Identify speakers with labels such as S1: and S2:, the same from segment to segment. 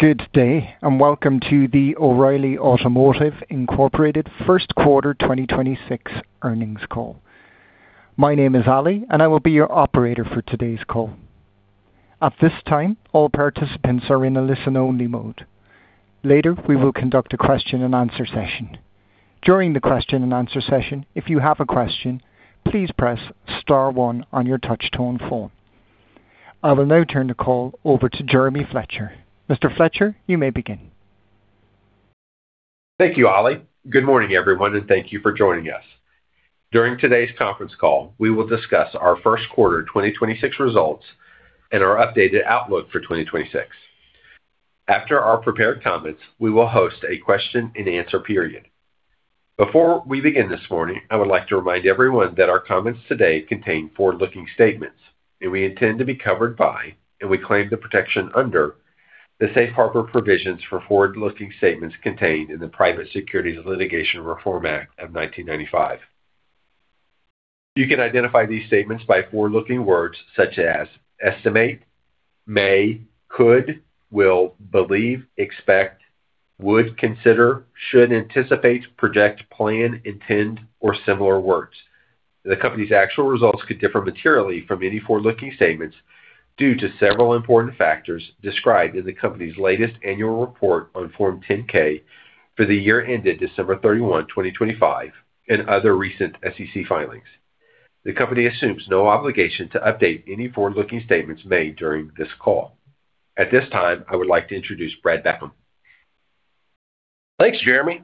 S1: Good day, and welcome to the O'Reilly Automotive Incorporated First Quarter 2026 earnings call. My name is Ali, and I will be your operator for today's call. At this time, all participants are in a listen-only mode. Later, we will conduct a question and answer session. During the question and answer session, if you have a question, please press star one on your touch-tone phone. I will now turn the call over to Jeremy Fletcher. Mr. Fletcher, you may begin.
S2: Thank you, Ali. Good morning, everyone, and thank you for joining us. During today's conference call, we will discuss our first quarter 2026 results and our updated outlook for 2026. After our prepared comments, we will host a question and answer period. Before we begin this morning, I would like to remind everyone that our comments today contain forward-looking statements, and we intend to be covered by, and we claim the protection under, the safe harbor provisions for forward-looking statements contained in the Private Securities Litigation Reform Act of 1995. You can identify these statements by forward-looking words such as estimate, may, could, will, believe, expect, would, consider, should, anticipate, project, plan, intend, or similar words. The company's actual results could differ materially from any forward-looking statements due to several important factors described in the company's latest annual report on Form 10-K for the year ended December 31, 2025, and other recent SEC filings. The company assumes no obligation to update any forward-looking statements made during this call. At this time, I would like to introduce Brad Beckham.
S3: Thanks, Jeremy.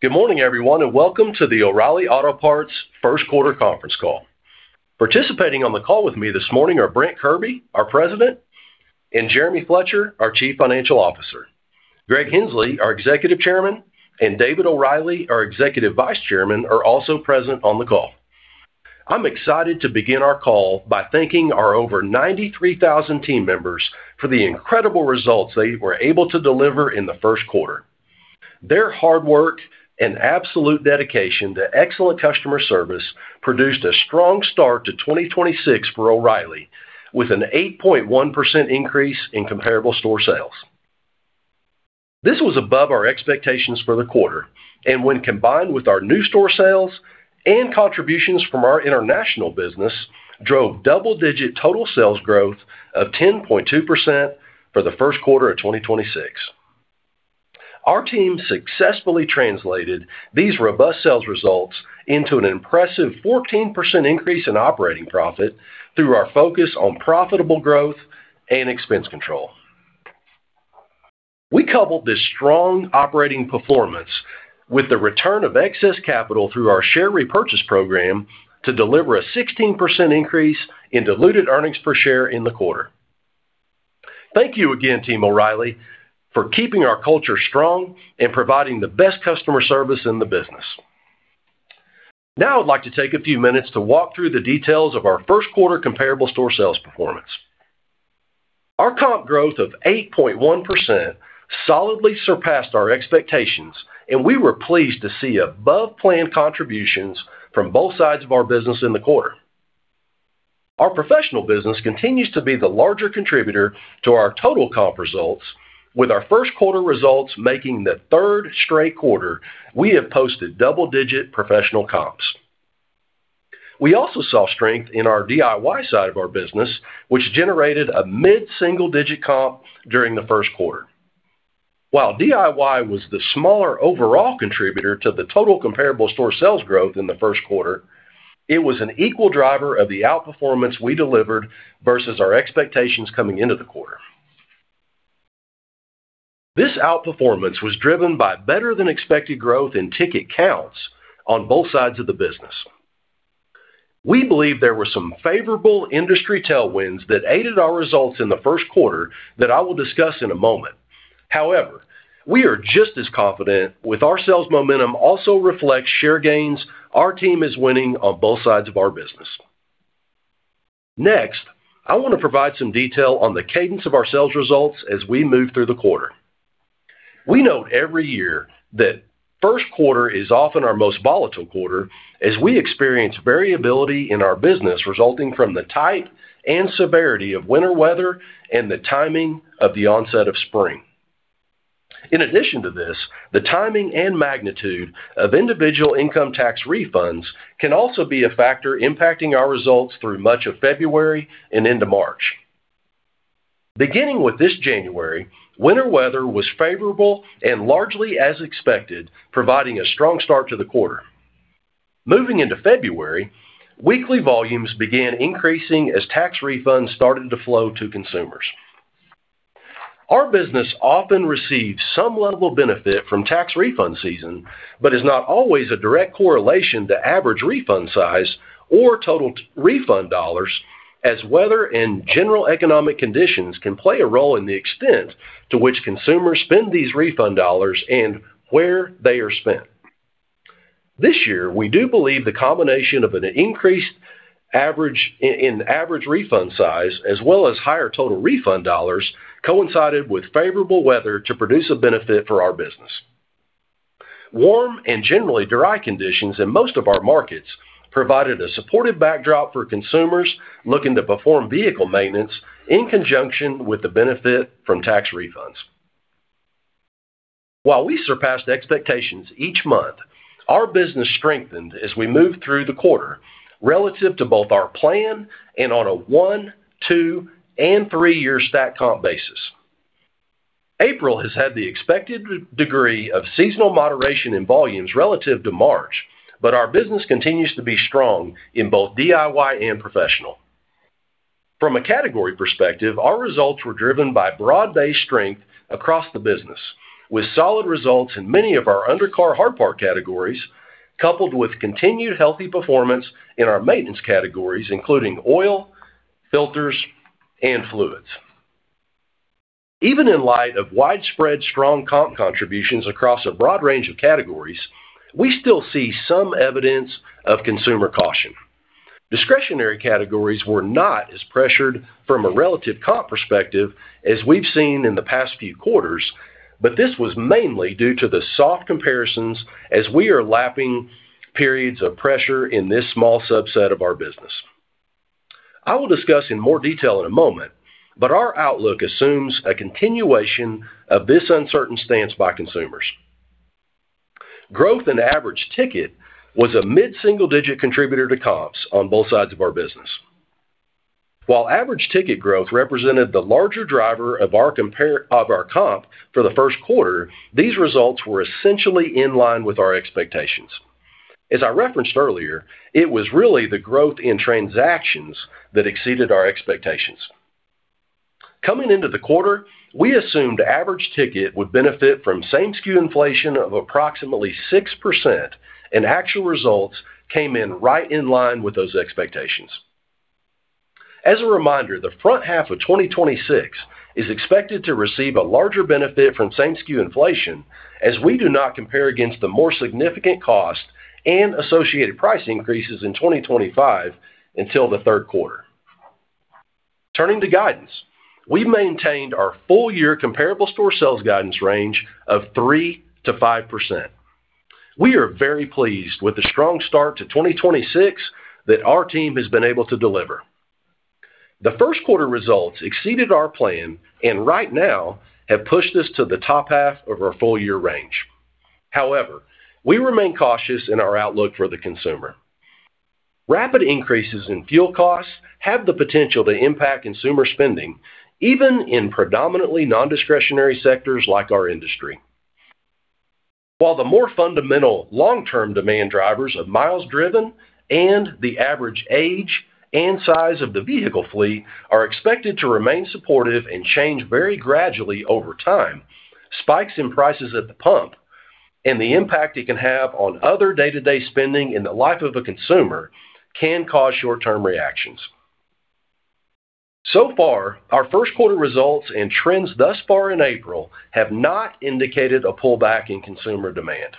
S3: Good morning, everyone, and welcome to the O'Reilly Auto Parts First Quarter Conference Call. Participating on the call with me this morning are Brent Kirby, our President, and Jeremy Fletcher, our Chief Financial Officer. Greg Henslee, our Executive Chairman, and David O'Reilly, our Executive Vice Chairman, are also present on the call. I'm excited to begin our call by thanking our over 93,000 team members for the incredible results they were able to deliver in the first quarter. Their hard work and absolute dedication to excellent customer service produced a strong start to 2026 for O'Reilly, with an 8.1% increase in comparable store sales. This was above our expectations for the quarter, and when combined with our new store sales and contributions from our international business, drove double-digit total sales growth of 10.2% for the first quarter of 2026. Our team successfully translated these robust sales results into an impressive 14% increase in operating profit through our focus on profitable growth and expense control. We coupled this strong operating performance with the return of excess capital through our share repurchase program to deliver a 16% increase in diluted earnings per share in the quarter. Thank you again, Team O'Reilly, for keeping our culture strong and providing the best customer service in the business. Now I'd like to take a few minutes to walk through the details of our first quarter comparable store sales performance. Our comp growth of 8.1% solidly surpassed our expectations, and we were pleased to see above-plan contributions from both sides of our business in the quarter. Our professional business continues to be the larger contributor to our total comp results, with our first quarter results making the third straight quarter we have posted double-digit professional comps. We also saw strength in our DIY side of our business, which generated a mid-single-digit comp during the first quarter. While DIY was the smaller overall contributor to the total comparable store sales growth in the first quarter, it was an equal driver of the outperformance we delivered versus our expectations coming into the quarter. This outperformance was driven by better-than-expected growth in ticket counts on both sides of the business. We believe there were some favorable industry tailwinds that aided our results in the first quarter that I will discuss in a moment. However, we are just as confident with our sales momentum also reflects share gains our team is winning on both sides of our business. Next, I want to provide some detail on the cadence of our sales results as we move through the quarter. We note every year that first quarter is often our most volatile quarter as we experience variability in our business resulting from the type and severity of winter weather and the timing of the onset of spring. In addition to this, the timing and magnitude of individual income tax refunds can also be a factor impacting our results through much of February and into March. Beginning with this January, winter weather was favorable and largely as expected, providing a strong start to the quarter. Moving into February, weekly volumes began increasing as tax refunds started to flow to consumers. Our business often receives some level of benefit from tax refund season, but is not always a direct correlation to average refund size or total tax refund dollars as weather and general economic conditions can play a role in the extent to which consumers spend these refund dollars and where they are spent. This year, we do believe the combination of an increased average, in average refund size as well as higher total refund dollars coincided with favorable weather to produce a benefit for our business. Warm and generally dry conditions in most of our markets provided a supportive backdrop for consumers looking to perform vehicle maintenance in conjunction with the benefit from tax refunds. While we surpassed expectations each month, our business strengthened as we moved through the quarter relative to both our plan and on a one, two, and three-year stack comp basis. April has had the expected degree of seasonal moderation in volumes relative to March, but our business continues to be strong in both DIY and professional. From a category perspective, our results were driven by broad-based strength across the business with solid results in many of our undercar hard part categories, coupled with continued healthy performance in our maintenance categories, including oil, filters, and fluids. Even in light of widespread strong comp contributions across a broad range of categories, we still see some evidence of consumer caution. Discretionary categories were not as pressured from a relative comp perspective as we've seen in the past few quarters, but this was mainly due to the soft comparisons as we are lapping periods of pressure in this small subset of our business. I will discuss in more detail in a moment, but our outlook assumes a continuation of this uncertain stance by consumers. Growth in average ticket was a mid-single-digit contributor to comp on both sides of our business. While average ticket growth represented the larger driver of our comp for the first quarter, these results were essentially in line with our expectations. As I referenced earlier, it was really the growth in transactions that exceeded our expectations. Coming into the quarter, we assumed average ticket would benefit from same-SKU inflation of approximately 6%, and actual results came in right in line with those expectations. As a reminder, the front half of 2026 is expected to receive a larger benefit from same-SKU inflation as we do not compare against the more significant cost and associated price increases in 2025 until the third quarter. Turning to guidance, we've maintained our full-year comparable store sales guidance range of 3%-5%. We are very pleased with the strong start to 2026 that our team has been able to deliver. The first quarter results exceeded our plan and right now have pushed us to the top half of our full-year range. However, we remain cautious in our outlook for the consumer. Rapid increases in fuel costs have the potential to impact consumer spending, even in predominantly non-discretionary sectors like our industry. While the more fundamental long-term demand drivers of miles driven and the average age and size of the vehicle fleet are expected to remain supportive and change very gradually over time, spikes in prices at the pump and the impact it can have on other day-to-day spending in the life of a consumer can cause short-term reactions. So far, our first quarter results and trends thus far in April have not indicated a pullback in consumer demand.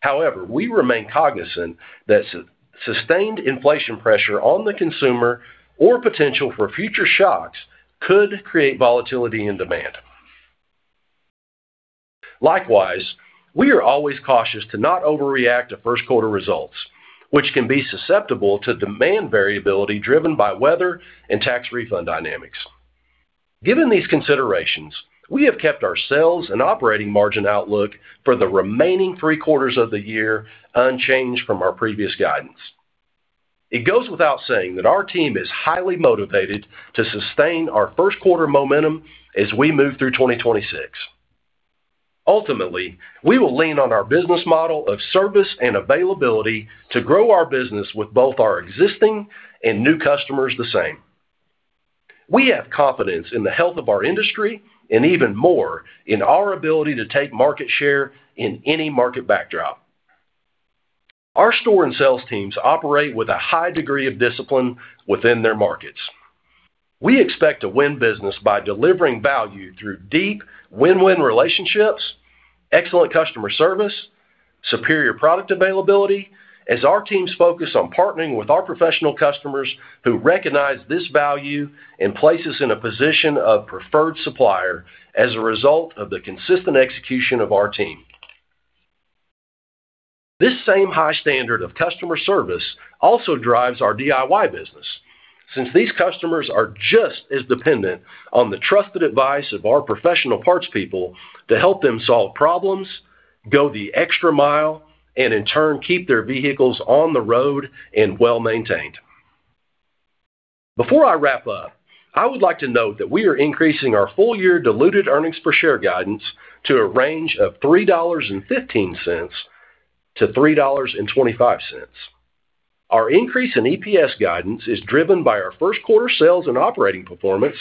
S3: However, we remain cognizant that sustained inflation pressure on the consumer or potential for future shocks could create volatility in demand. Likewise, we are always cautious to not overreact to first quarter results, which can be susceptible to demand variability driven by weather and tax refund dynamics. Given these considerations, we have kept our sales and operating margin outlook for the remaining three quarters of the year unchanged from our previous guidance. It goes without saying that our team is highly motivated to sustain our first quarter momentum as we move through 2026. Ultimately, we will lean on our business model of service and availability to grow our business with both our existing and new customers the same. We have confidence in the health of our industry and even more in our ability to take market share in any market backdrop. Our store and sales teams operate with a high degree of discipline within their markets. We expect to win business by delivering value through deep win-win relationships, excellent customer service, superior product availability as our teams focus on partnering with our professional customers who recognize this value and place us in a position of preferred supplier as a result of the consistent execution of our team. This same high standard of customer service also drives our DIY business since these customers are just as dependent on the trusted advice of our professional parts people to help them solve problems, go the extra mile, and in turn, keep their vehicles on the road and well-maintained. Before I wrap up, I would like to note that we are increasing our full-year diluted earnings per share guidance to a range of $3.15-$3.25. Our increase in EPS guidance is driven by our first quarter sales and operating performance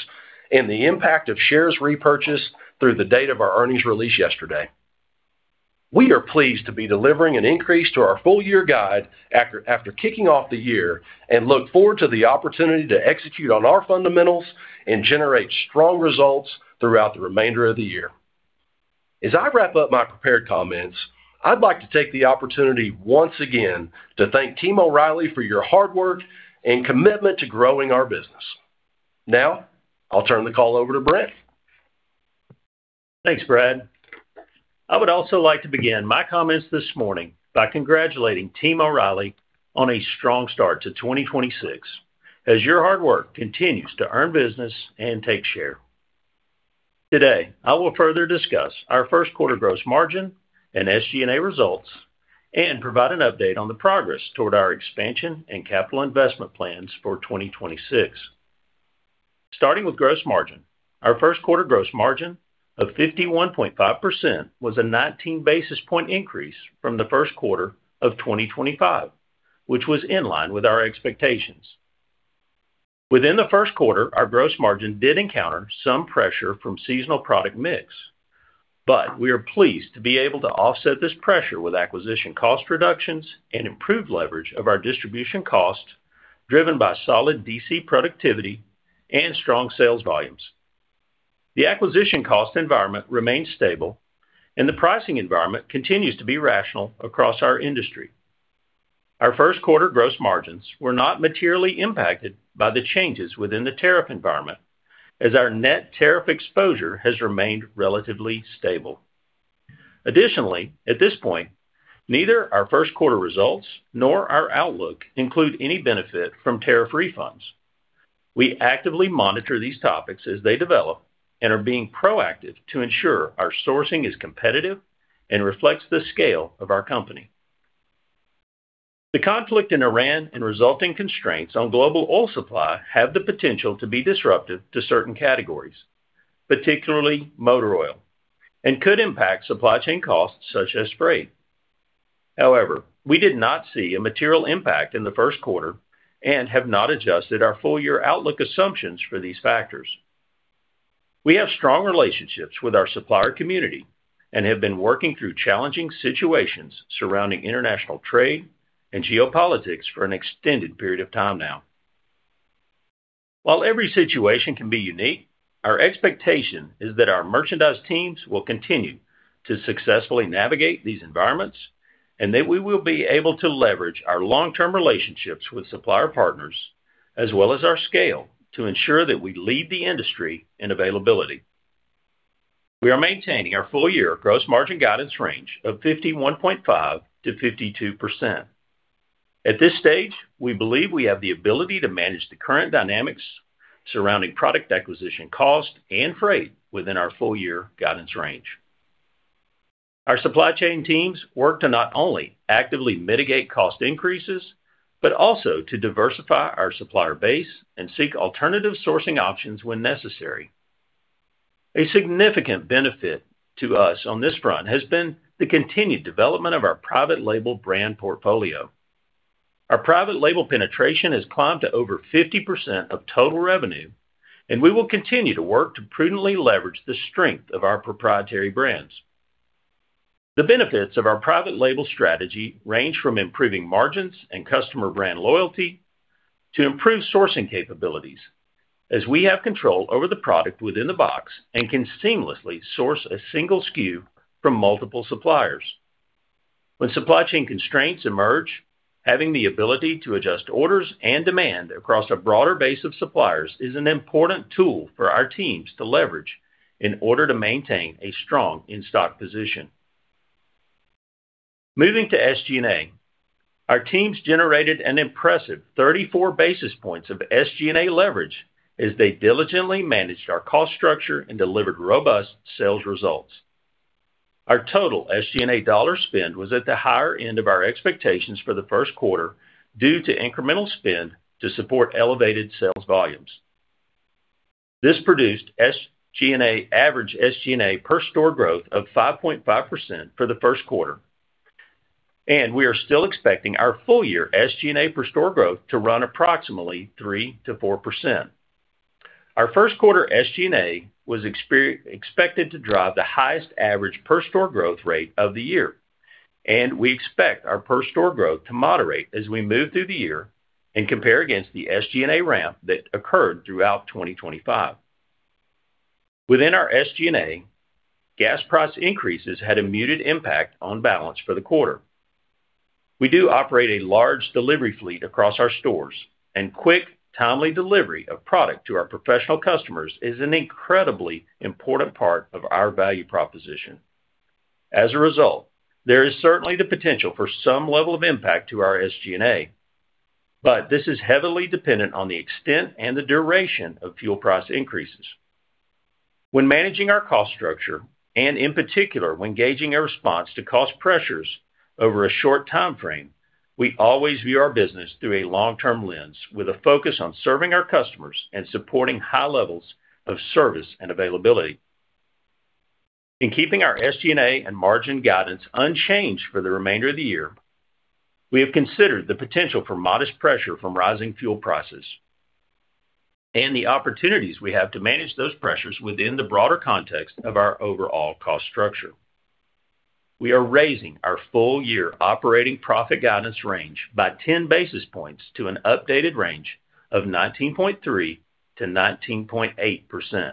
S3: and the impact of shares repurchased through the date of our earnings release yesterday. We are pleased to be delivering an increase to our full-year guide after kicking off the year and look forward to the opportunity to execute on our fundamentals and generate strong results throughout the remainder of the year. As I wrap up my prepared comments, I'd like to take the opportunity once again to thank Team O'Reilly for your hard work and commitment to growing our business. Now, I'll turn the call over to Brent.
S4: Thanks, Brad. I would also like to begin my comments this morning by congratulating Team O'Reilly on a strong start to 2026, as your hard work continues to earn business and take share. Today, I will further discuss our first quarter gross margin and SG&A results and provide an update on the progress toward our expansion and capital investment plans for 2026. Starting with gross margin. Our first quarter gross margin of 51.5% was a 19 basis point increase from the first quarter of 2025, which was in line with our expectations. Within the first quarter, our gross margin did encounter some pressure from seasonal product mix, but we are pleased to be able to offset this pressure with acquisition cost reductions and improved leverage of our distribution costs, driven by solid DC productivity and strong sales volumes. The acquisition cost environment remains stable and the pricing environment continues to be rational across our industry. Our first quarter gross margins were not materially impacted by the changes within the tariff environment as our net tariff exposure has remained relatively stable. Additionally, at this point, neither our first quarter results nor our outlook include any benefit from tariff refunds. We actively monitor these topics as they develop and are being proactive to ensure our sourcing is competitive and reflects the scale of our company. The conflict in Iran and resulting constraints on global oil supply have the potential to be disruptive to certain categories, particularly motor oil, and could impact supply chain costs such as freight. However, we did not see a material impact in the first quarter and have not adjusted our full year outlook assumptions for these factors. We have strong relationships with our supplier community and have been working through challenging situations surrounding international trade and geopolitics for an extended period of time now. While every situation can be unique, our expectation is that our merchandise teams will continue to successfully navigate these environments, and that we will be able to leverage our long-term relationships with supplier partners as well as our scale to ensure that we lead the industry in availability. We are maintaining our full-year gross margin guidance range of 51.5%-52%. At this stage, we believe we have the ability to manage the current dynamics surrounding product acquisition cost and freight within our full-year guidance range. Our supply chain teams work to not only actively mitigate cost increases, but also to diversify our supplier base and seek alternative sourcing options when necessary. A significant benefit to us on this front has been the continued development of our private label brand portfolio. Our private label penetration has climbed to over 50% of total revenue, and we will continue to work to prudently leverage the strength of our proprietary brands. The benefits of our private label strategy range from improving margins and customer brand loyalty to improved sourcing capabilities, as we have control over the product within the box and can seamlessly source a single SKU from multiple suppliers. When supply chain constraints emerge, having the ability to adjust orders and demand across a broader base of suppliers is an important tool for our teams to leverage in order to maintain a strong in-stock position. Moving to SG&A. Our teams generated an impressive 34 basis points of SG&A leverage as they diligently managed our cost structure and delivered robust sales results. Our total SG&A dollar spend was at the higher end of our expectations for the first quarter due to incremental spend to support elevated sales volumes. This produced average SG&A per store growth of 5.5% for the first quarter. We are still expecting our full year SG&A per store growth to run approximately 3%-4%. Our first quarter SG&A was expected to drive the highest average per store growth rate of the year. We expect our per store growth to moderate as we move through the year and compare against the SG&A ramp that occurred throughout 2025. Within our SG&A, gas price increases had a muted impact on balance for the quarter. We do operate a large delivery fleet across our stores, and quick, timely delivery of product to our professional customers is an incredibly important part of our value proposition. As a result, there is certainly the potential for some level of impact to our SG&A, but this is heavily dependent on the extent and the duration of fuel price increases. When managing our cost structure, and in particular, when gauging a response to cost pressures over a short time frame, we always view our business through a long-term lens with a focus on serving our customers and supporting high levels of service and availability. In keeping our SG&A and margin guidance unchanged for the remainder of the year, we have considered the potential for modest pressure from rising fuel prices and the opportunities we have to manage those pressures within the broader context of our overall cost structure. We are raising our full-year operating profit guidance range by 10 basis points to an updated range of 19.3%-19.8%.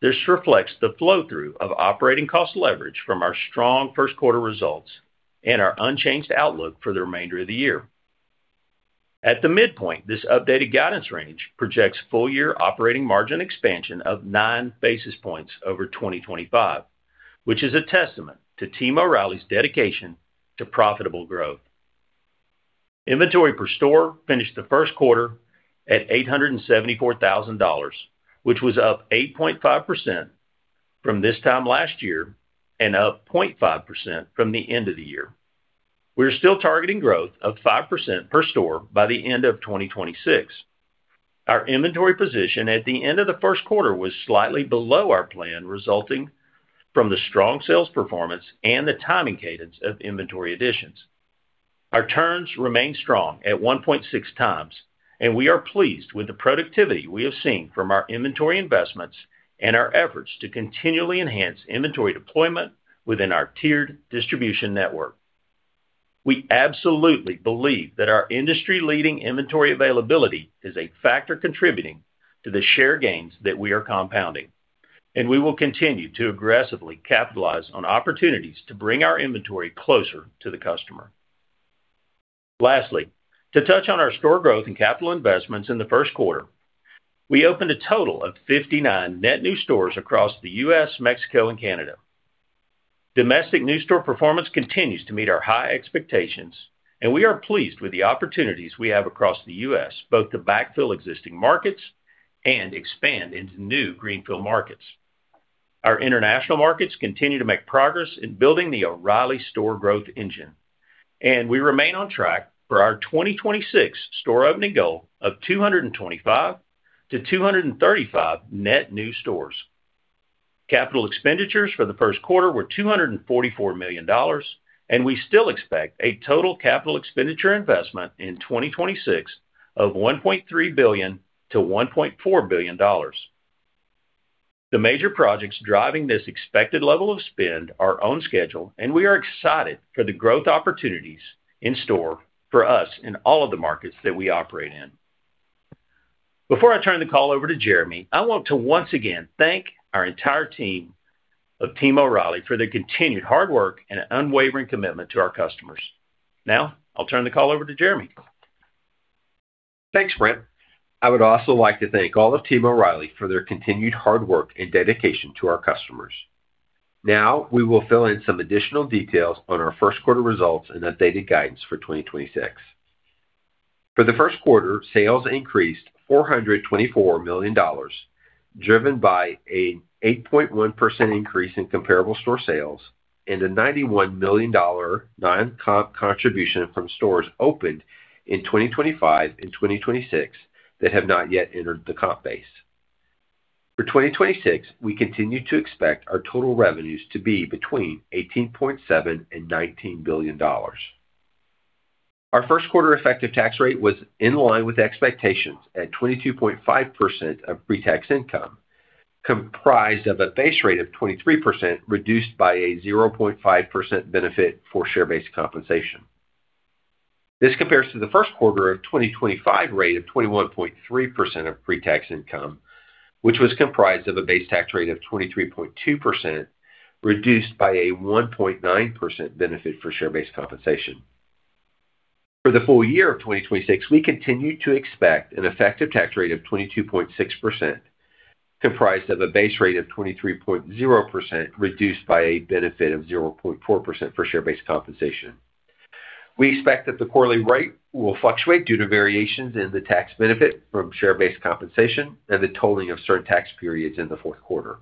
S4: This reflects the flow-through of operating cost leverage from our strong first quarter results and our unchanged outlook for the remainder of the year. At the midpoint, this updated guidance range projects full year operating margin expansion of 9 basis points over 2025, which is a testament to Team O'Reilly's dedication to profitable growth. Inventory per store finished the first quarter at $874,000, which was up 8.5% from this time last year and up 0.5% from the end of the year. We are still targeting growth of 5% per store by the end of 2026. Our inventory position at the end of the first quarter was slightly below our plan resulting from the strong sales performance and the timing cadence of inventory additions. Our turns remain strong at 1.6x, and we are pleased with the productivity we have seen from our inventory investments and our efforts to continually enhance inventory deployment within our tiered distribution network. We absolutely believe that our industry-leading inventory availability is a factor contributing to the share gains that we are compounding, and we will continue to aggressively capitalize on opportunities to bring our inventory closer to the customer. Lastly, to touch on our store growth and capital investments in the first quarter, we opened a total of 59 net new stores across the U.S., Mexico, and Canada. Domestic new store performance continues to meet our high expectations, and we are pleased with the opportunities we have across the U.S., both to backfill existing markets and expand into new greenfield markets. Our international markets continue to make progress in building the O'Reilly store growth engine, and we remain on track for our 2026 store opening goal of 225-235 net new stores. Capital expenditures for the first quarter were $244 million, and we still expect a total capital expenditure investment in 2026 of $1.3 billion-$1.4 billion. The major projects driving this expected level of spend are on schedule, and we are excited for the growth opportunities in store for us in all of the markets that we operate in. Before I turn the call over to Jeremy, I want to once again thank our entire Team O'Reilly for their continued hard work and unwavering commitment to our customers. Now, I'll turn the call over to Jeremy.
S2: Thanks, Brent. I would also like to thank all of Team O'Reilly for their continued hard work and dedication to our customers. Now, we will fill in some additional details on our first quarter results and updated guidance for 2026. For the first quarter, sales increased $424 million, driven by an 8.1% increase in comparable store sales and a $91 million non-comp contribution from stores opened in 2025 and 2026 that have not yet entered the comp base. For 2026, we continue to expect our total revenues to be between $18.7 billion and $19 billion. Our first quarter effective tax rate was in line with expectations at 22.5% of pre-tax income, comprised of a base rate of 23% reduced by a 0.5% benefit for share-based compensation. This compares to the first quarter of 2025 rate of 21.3% of pre-tax income, which was comprised of a base tax rate of 23.2% reduced by a 1.9% benefit for share-based compensation. For the full year of 2026, we continue to expect an effective tax rate of 22.6%, comprised of a base rate of 23.0% reduced by a benefit of 0.4% for share-based compensation. We expect that the quarterly rate will fluctuate due to variations in the tax benefit from share-based compensation and the totaling of certain tax periods in the fourth quarter.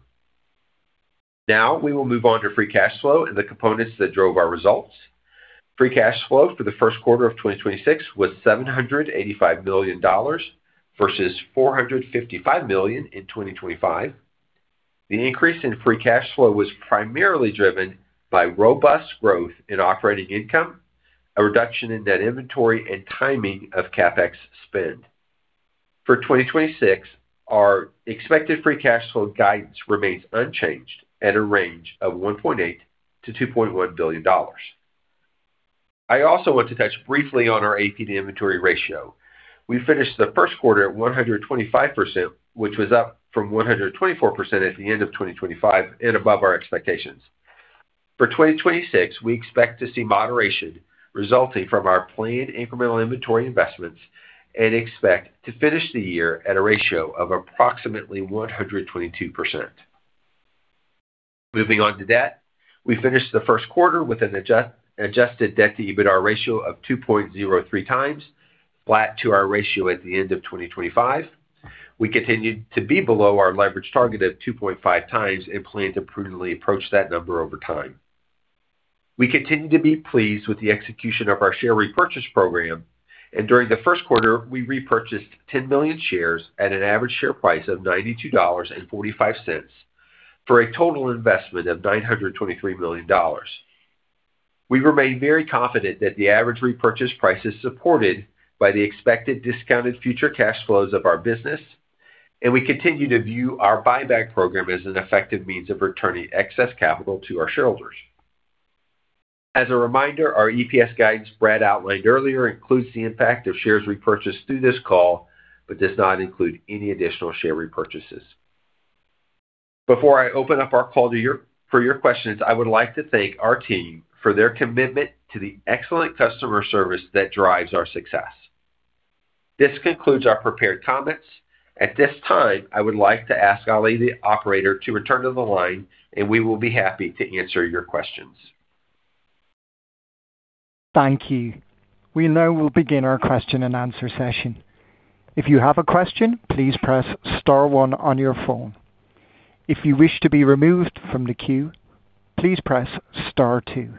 S2: Now we will move on to free cash flow and the components that drove our results. Free cash flow for the first quarter of 2026 was $785 million versus $455 million in 2025. The increase in free cash flow was primarily driven by robust growth in operating income, a reduction in net inventory, and timing of CapEx spend. For 2026, our expected free cash flow guidance remains unchanged at a range of $1.8 billion-$2.1 billion. I also want to touch briefly on our AP to inventory ratio. We finished the first quarter at 125%, which was up from 124% at the end of 2025 and above our expectations. For 2026, we expect to see moderation resulting from our planned incremental inventory investments and expect to finish the year at a ratio of approximately 122%. Moving on to debt. We finished the first quarter with an adjusted debt-to-EBITDA ratio of 2.03x, flat to our ratio at the end of 2025. We continue to be below our leverage target of 2.5x and plan to prudently approach that number over time. We continue to be pleased with the execution of our share repurchase program. During the first quarter, we repurchased 10 million shares at an average share price of $92.45 for a total investment of $923 million. We remain very confident that the average repurchase price is supported by the expected discounted future cash flows of our business, and we continue to view our buyback program as an effective means of returning excess capital to our shareholders. As a reminder, our EPS guidance Brad outlined earlier includes the impact of shares repurchased through this call, but does not include any additional share repurchases. Before I open up our call for your questions, I would like to thank our team for their commitment to the excellent customer service that drives our success. This concludes our prepared comments. At this time, I would like to ask Ali, the operator, to return to the line, and we will be happy to answer your questions.
S1: Thank you. We now will begin our question and answer session. If you have a question, please press star one on your phone. If you wish to be removed from the queue, please press star two.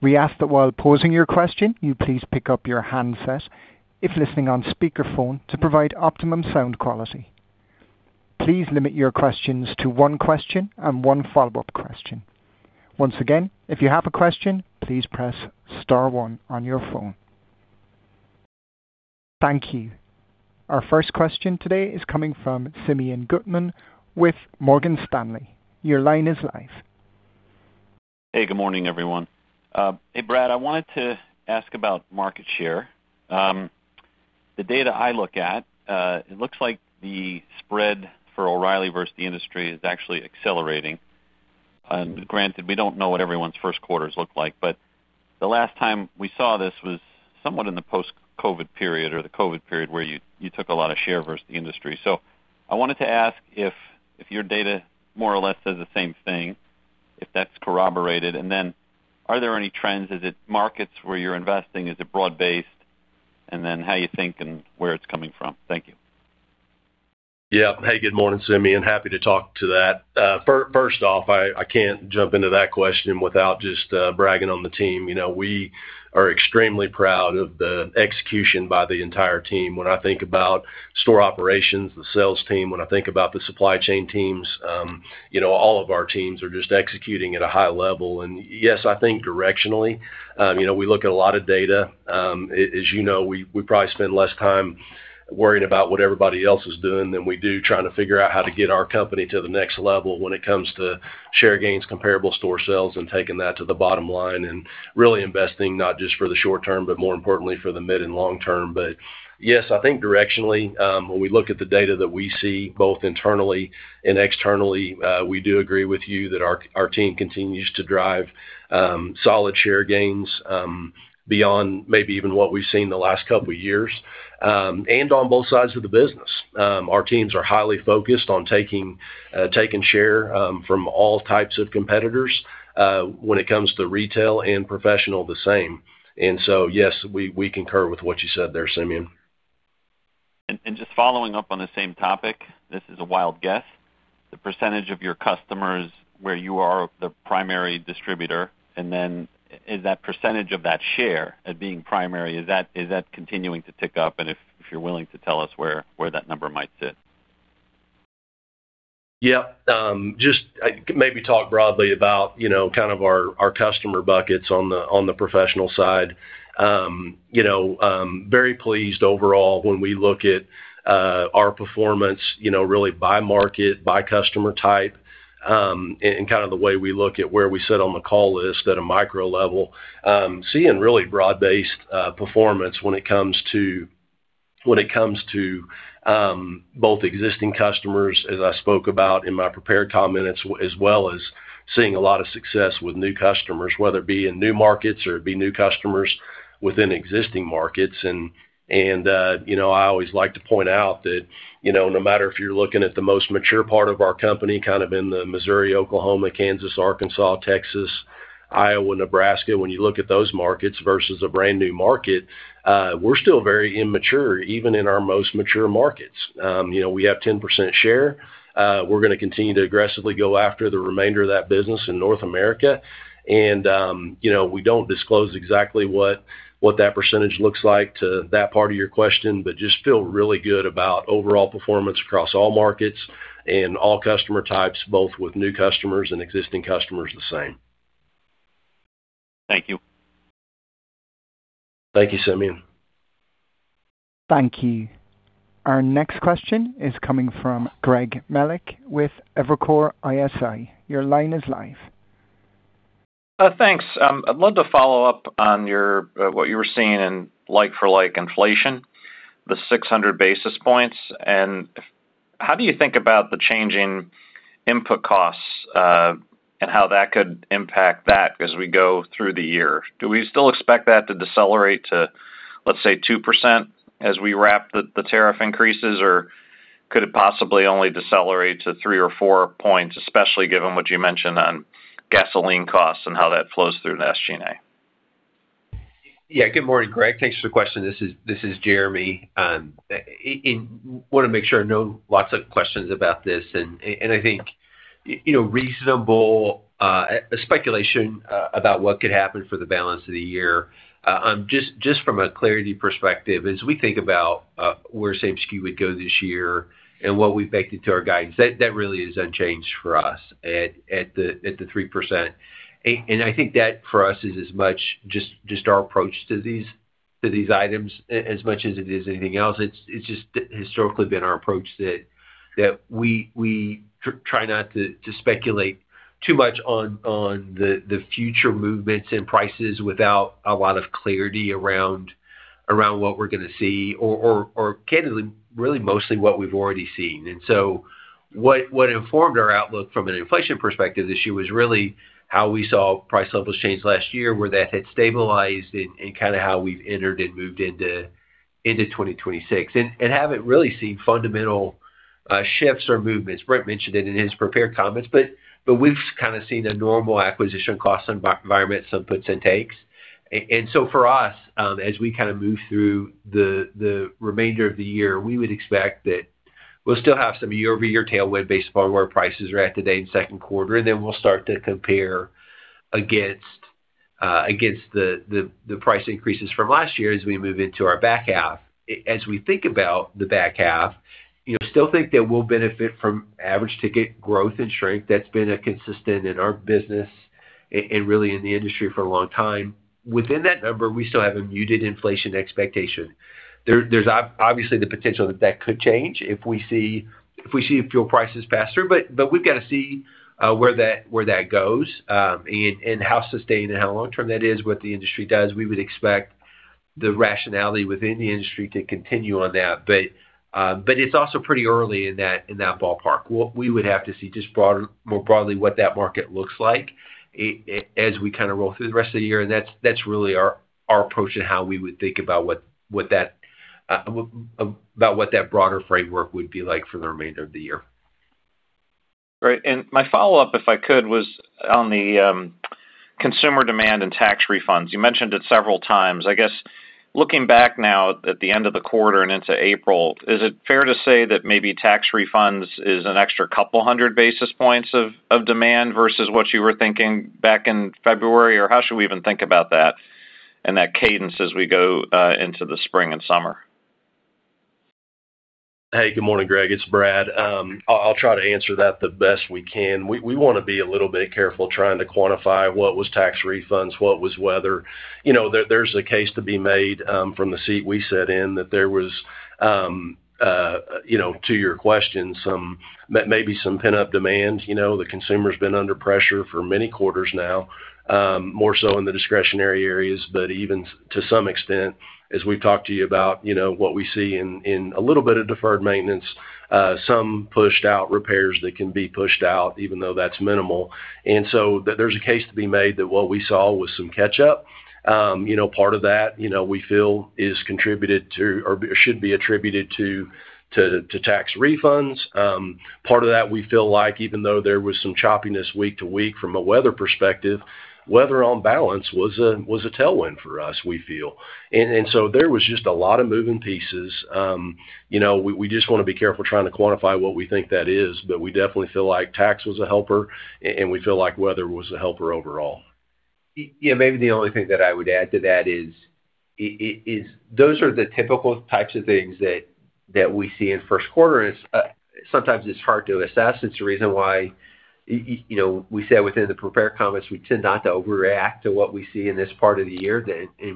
S1: We ask that while posing your question, you please pick up your handset if listening on speakerphone to provide optimum sound quality. Please limit your questions to one question and one follow-up question. Once again, if you have a question, please press star one on your phone. Thank you. Our first question today is coming from Simeon Gutman with Morgan Stanley. Your line is live.
S5: Hey, good morning, everyone. Hey, Brad, I wanted to ask about market share. The data I look at, it looks like the spread for O'Reilly versus the industry is actually accelerating. Granted, we don't know what everyone's first quarters look like, but the last time we saw this was somewhat in the post-COVID period or the COVID period where you took a lot of share versus the industry. I wanted to ask if your data more or less says the same thing, if that's corroborated. Are there any trends? Is it markets where you're investing? Is it broad-based? How you think and where it's coming from. Thank you.
S3: Yeah. Hey, good morning, Simeon. Happy to talk to that. First off, I can't jump into that question without just bragging on the team. You know, we are extremely proud of the execution by the entire team. When I think about store operations, the sales team, when I think about the supply chain teams, you know, all of our teams are just executing at a high level. Yes, I think directionally, you know, we look at a lot of data. As you know, we probably spend less time worrying about what everybody else is doing than we do trying to figure out how to get our company to the next level when it comes to share gains, comparable store sales, and taking that to the bottom line and really investing not just for the short term, but more importantly for the mid and long term. Yes, I think directionally, when we look at the data that we see both internally and externally, we do agree with you that our team continues to drive solid share gains beyond maybe even what we've seen the last couple of years. On both sides of the business. Our teams are highly focused on taking share from all types of competitors when it comes to retail and professional the same. Yes, we concur with what you said there, Simeon.
S5: Just following up on the same topic, this is a wild guess. The percentage of your customers where you are the primary distributor, and then is that percentage of that share of being primary, is that continuing to tick up? If you're willing to tell us where that number might sit.
S3: Yeah. Just maybe talk broadly about, you know, kind of our customer buckets on the professional side. You know, very pleased overall when we look at our performance, you know, really by market, by customer type, and kind of the way we look at where we sit on the call list at a micro level. Seeing really broad-based performance when it comes to both existing customers, as I spoke about in my prepared comments, as well as seeing a lot of success with new customers, whether it be in new markets or it be new customers within existing markets. You know, I always like to point out that, you know, no matter if you're looking at the most mature part of our company, kind of in Missouri, Oklahoma, Kansas, Arkansas, Texas, Iowa, Nebraska, when you look at those markets versus a brand-new market, we're still very immature, even in our most mature markets. You know, we have 10% share. We're gonna continue to aggressively go after the remainder of that business in North America. You know, we don't disclose exactly what that percentage looks like to that part of your question, but just feel really good about overall performance across all markets and all customer types, both with new customers and existing customers the same.
S5: Thank you.
S3: Thank you, Simeon.
S1: Thank you. Our next question is coming from Greg Melich with Evercore ISI. Your line is live.
S6: Thanks. I'd love to follow up on what you were seeing in like-for-like inflation, the 600 basis points. How do you think about the changing input costs and how that could impact that as we go through the year? Do we still expect that to decelerate to, let's say, 2% as we wrap the tariff increases? Could it possibly only decelerate to 3 or 4 points, especially given what you mentioned on gasoline costs and how that flows through to SG&A?
S2: Yeah. Good morning, Greg. Thanks for the question. This is Jeremy. Wanna make sure I know lots of questions about this. I think, you know, reasonable speculation about what could happen for the balance of the year, just from a clarity perspective, as we think about where same-SKU would go this year and what we've baked into our guidance, that really is unchanged for us at the 3%. I think that for us is as much just our approach to these items as much as it is anything else. It's just historically been our approach that we try not to speculate too much on the future movements and prices without a lot of clarity around what we're gonna see or candidly, really mostly what we've already seen. What informed our outlook from an inflation perspective this year was really how we saw price levels change last year, where that had stabilized and kind of how we've entered and moved into 2026. Haven't really seen fundamental shifts or movements. Brent mentioned it in his prepared comments, but we've kind of seen a normal acquisition cost environment, some puts and takes. For us, as we kind of move through the remainder of the year, we would expect that we'll still have some year-over-year tailwind based upon where prices are at today in second quarter, and then we'll start to compare against the price increases from last year as we move into our back half. As we think about the back half, you know, still think that we'll benefit from average ticket growth and shrink. That's been a consistent in our business and really in the industry for a long time. Within that number, we still have a muted inflation expectation. There's obviously the potential that could change if we see fuel prices pass through, but we've got to see where that goes, and how sustained and how long term that is, what the industry does. We would expect the rationality within the industry to continue on that. It's also pretty early in that ballpark. We would have to see just more broadly what that market looks like as we kind of roll through the rest of the year. That's really our approach and how we would think about what that broader framework would be like for the remainder of the year.
S6: Right. My follow-up, if I could, was on the consumer demand and tax refunds. You mentioned it several times. I guess looking back now at the end of the quarter and into April, is it fair to say that maybe tax refunds is an extra couple hundred basis points of demand versus what you were thinking back in February? How should we even think about that and that cadence as we go into the spring and summer?
S3: Hey, good morning, Greg. It's Brad. I'll try to answer that the best we can. We wanna be a little bit careful trying to quantify what was tax refunds, what was weather. You know, there's a case to be made from the seat we sat in that there was, you know, to your question, maybe some pent-up demand. You know, the consumer's been under pressure for many quarters now, more so in the discretionary areas, but even to some extent, as we've talked to you about, you know, what we see in a little bit of deferred maintenance, some pushed out repairs that can be pushed out, even though that's minimal. There's a case to be made that what we saw was some catch-up. You know, part of that, you know, we feel is contributed to or should be attributed to tax refunds. Part of that we feel like even though there was some choppiness week to week from a weather perspective, weather on balance was a tailwind for us, we feel. There was just a lot of moving pieces. You know, we just wanna be careful trying to quantify what we think that is, but we definitely feel like tax was a helper and we feel like weather was a helper overall.
S2: Yeah, maybe the only thing that I would add to that is those are the typical types of things that we see in first quarter. It's sometimes it's hard to assess. It's the reason why, you know, we said within the prepared comments, we tend not to overreact to what we see in this part of the year.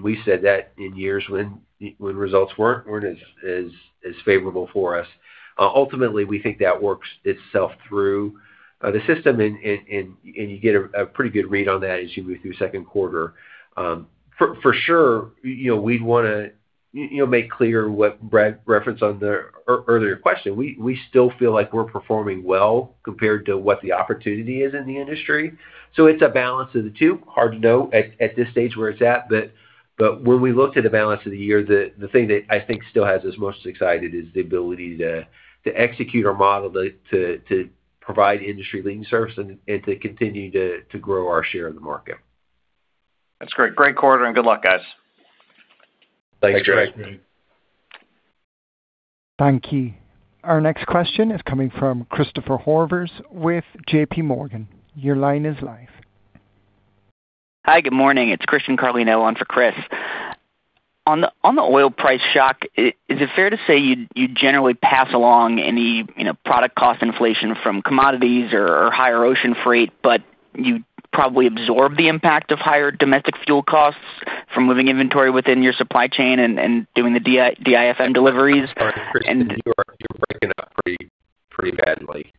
S2: We said that in years when results weren't as favorable for us. Ultimately, we think that works itself through the system and you get a pretty good read on that as you move through second quarter. For sure, you know, we'd wanna, you know, make clear what Brad referenced on the earlier question. We still feel like we're performing well compared to what the opportunity is in the industry. It's a balance of the two. Hard to know at this stage where it's at. When we look to the balance of the year, the thing that I think still has us most excited is the ability to execute our model, to provide industry-leading service and to continue to grow our share in the market.
S6: That's great. Great quarter, and good luck, guys.
S2: Thanks, Greg.
S3: Thanks, Greg.
S1: Thank you. Our next question is coming from Christopher Horvers with JPMorgan. Your line is live.
S7: Hi, good morning. It's Christian Carlino on for Chris. On the oil price shock, is it fair to say you generally pass along any, you know, product cost inflation from commodities or higher ocean freight, but you probably absorb the impact of higher domestic fuel costs from moving inventory within your supply chain and doing the DIFM deliveries?
S2: Sorry, Christian. You're breaking up pretty badly.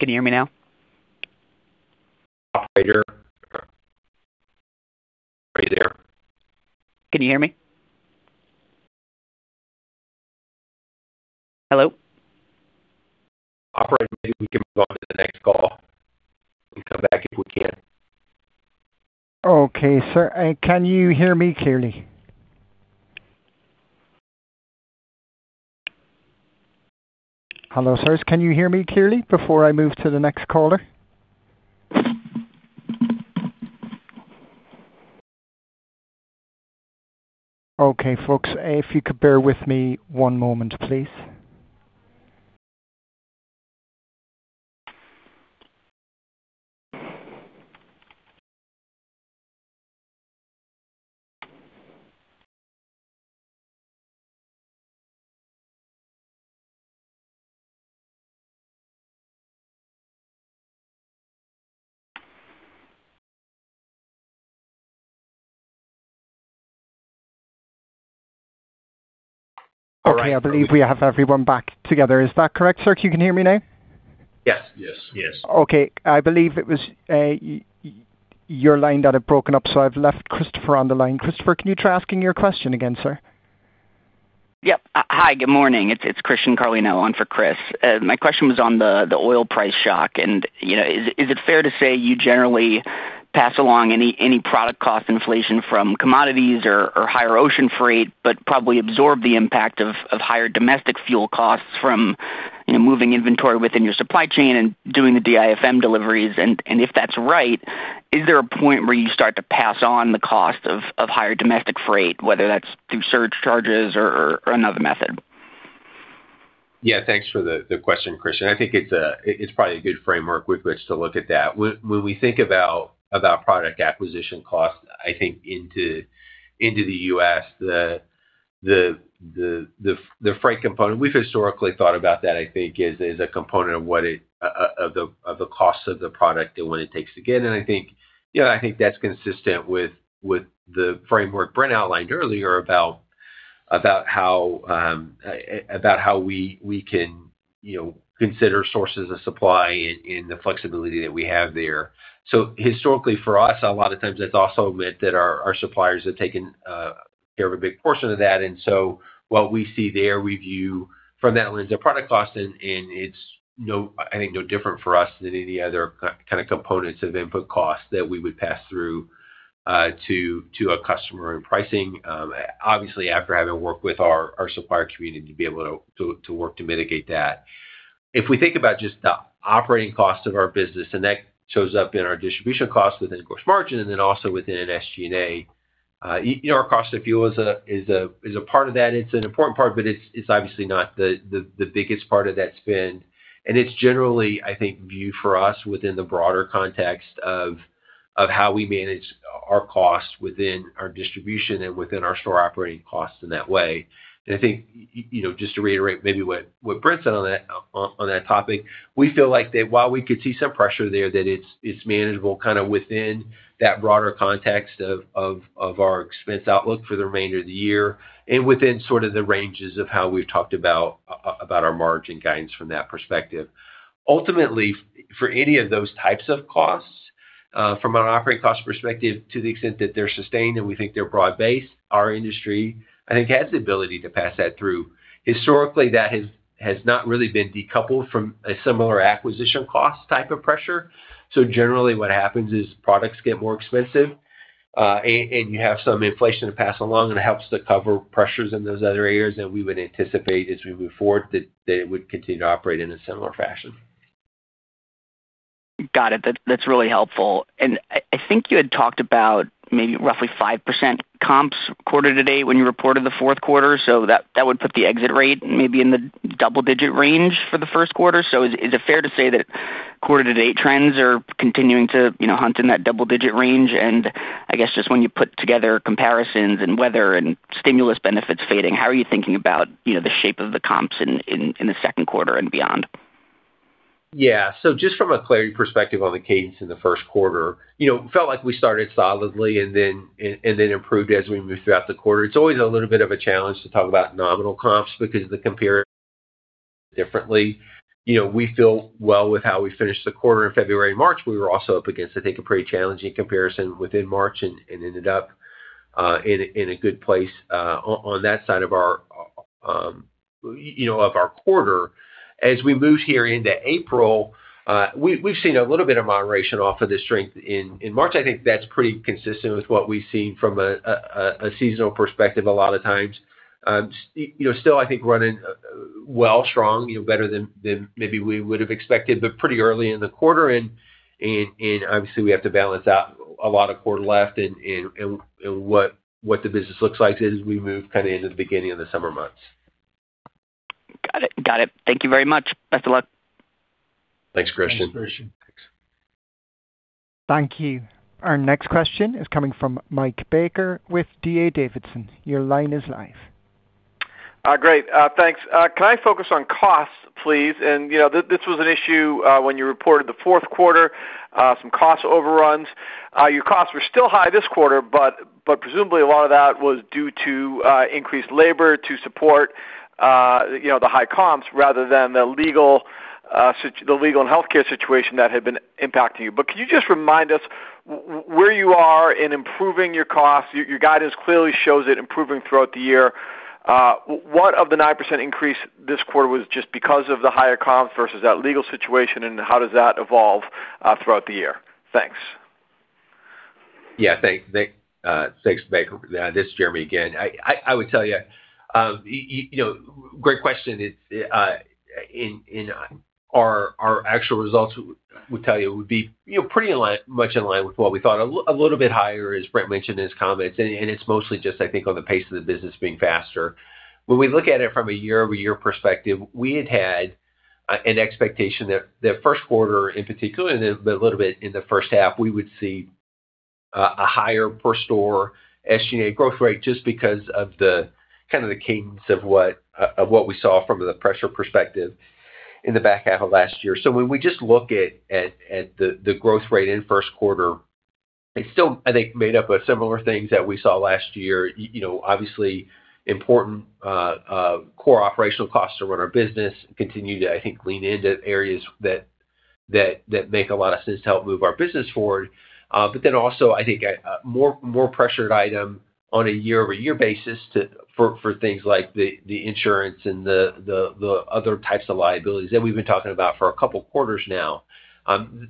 S7: Can you hear me now?
S2: Are you there?
S7: Can you hear me? Hello?
S2: Operator, maybe we can move on to the next call. We come back if we can.
S1: Okay, sir. Can you hear me clearly? Hello, sir. Can you hear me clearly before I move to the next caller? Okay, folks, if you could bear with me one moment, please. Okay. I believe we have everyone back together. Is that correct, sir? Can you hear me now?
S2: Yes.
S4: Yes.
S2: Yes.
S1: Okay. I believe it was, your line that had broken up, so I've left Christopher on the line. Christopher, can you try asking your question again, sir?
S7: Yep. Hi, good morning. It's Christian Carlino on for Chris. My question was on the oil price shock and, you know, is it fair to say you generally pass along any product cost inflation from commodities or higher ocean freight, but probably absorb the impact of higher domestic fuel costs from, you know, moving inventory within your supply chain and doing the DIFM deliveries? If that's right, is there a point where you start to pass on the cost of higher domestic freight, whether that's through surcharges or another method?
S2: Yeah. Thanks for the question, Christian. I think it's probably a good framework with which to look at that. When we think about product acquisition costs, I think into the U.S., the freight component, we've historically thought about that, I think, as a component of the cost of the product and what it takes to get. I think, you know, I think that's consistent with the framework Brent outlined earlier about how we can, you know, consider sources of supply and the flexibility that we have there. Historically for us, a lot of times that's also meant that our suppliers have taken care of a big portion of that. What we see there, we view from that lens of product cost, and it's no, I think, no different for us than any other kind of components of input costs that we would pass through to a customer in pricing. Obviously, after having worked with our supplier community to be able to work to mitigate that. If we think about just the operating costs of our business, and that shows up in our distribution costs within gross margin and then also within an SG&A, you know, our cost of fuel is a part of that. It's an important part, but it's obviously not the biggest part of that spend. It's generally, I think, viewed for us within the broader context of how we manage our costs within our distribution and within our store operating costs in that way. I think, you know, just to reiterate maybe what Brent said on that topic, we feel like that while we could see some pressure there, that it's manageable kind of within that broader context of our expense outlook for the remainder of the year and within sort of the ranges of how we've talked about our margin guidance from that perspective. Ultimately, for any of those types of costs, from an operating cost perspective to the extent that they're sustained and we think they're broad based, our industry, I think, has the ability to pass that through. Historically, that has not really been decoupled from a similar acquisition cost type of pressure. Generally, what happens is products get more expensive, and you have some inflation to pass along, and it helps to cover pressures in those other areas. We would anticipate as we move forward that they would continue to operate in a similar fashion.
S7: Got it. That's really helpful. I think you had talked about maybe roughly 5% comps quarter-to-date when you reported the fourth quarter. That would put the exit rate maybe in the double-digit range for the first quarter. Is it fair to say that quarter-to-date trends are continuing to, you know, hunt in that double-digit range? I guess just when you put together comparisons and weather and stimulus benefits fading, how are you thinking about, you know, the shape of the comps in the second quarter and beyond?
S2: Just from a clarity perspective on the cadence in the first quarter, you know, it felt like we started solidly and then improved as we moved throughout the quarter. It's always a little bit of a challenge to talk about nominal comps because the compare differently. You know, we feel well with how we finished the quarter in February and March. We were also up against, I think, a pretty challenging comparison within March and ended up in a good place on that side of our, you know, of our quarter. As we moved here into April, we've seen a little bit of moderation off of the strength in March. I think that's pretty consistent with what we've seen from a seasonal perspective a lot of times. You know, still, I think, running well, strong, you know, better than maybe we would have expected, but pretty early in the quarter. Obviously, we have to balance out a lot of quarter left and what the business looks like as we move kind of into the beginning of the summer months.
S7: Got it. Thank you very much. Best of luck.
S2: Thanks, Christian.
S3: Thanks, Christian.
S1: Thank you. Our next question is coming from Mike Baker with D.A. Davidson. Your line is live.
S8: Great. Thanks. Can I focus on costs, please? You know, this was an issue, when you reported the fourth quarter, some cost overruns. Your costs were still high this quarter, but presumably a lot of that was due to increased labor to support, you know, the high comps rather than the legal, the legal and healthcare situation that had been impacting you. Can you just remind us where you are in improving your costs? Your guidance clearly shows it improving throughout the year. What of the 9% increase this quarter was just because of the higher comps versus that legal situation, and how does that evolve throughout the year? Thanks.
S2: Yeah. Thanks. Thank, thanks, Mike. This is Jeremy again. I would tell you know, great question. It's in our actual results, we tell you it would be, you know, pretty in line, much in line with what we thought. A little bit higher, as Brent mentioned in his comments, and it's mostly just, I think, on the pace of the business being faster. When we look at it from a year-over-year perspective, we had an expectation that the first quarter in particular and then a little bit in the first half, we would see a higher per store SG&A growth rate just because of the kind of the cadence of what we saw from the pressure perspective in the back half of last year. When we just look at the growth rate in first quarter, it's still, I think, made up of similar things that we saw last year. You know, obviously important core operational costs to run our business continue to, I think, lean into areas that make a lot of sense to help move our business forward. Also, I think a more pressured item on a year-over-year basis for things like the insurance and the other types of liabilities that we've been talking about for a couple quarters now.